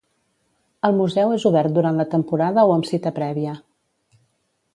El museu és obert durant la temporada o amb cita prèvia.